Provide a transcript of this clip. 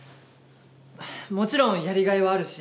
もちろんやりがいはあるし